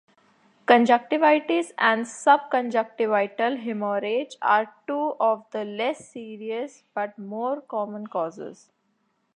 Conjunctivitis and subconjunctival hemorrhage are two of the less serious but more common causes.